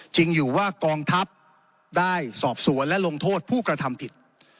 จริงอยู่ว่ากองทัพได้สอบสวนและลงโทษผู้กระทำผิด